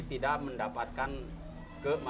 tidak mendapatkan keuntungan